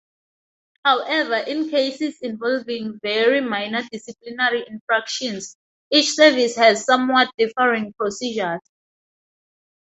However, in cases involving very minor disciplinary infractions, each service has somewhat differing procedures.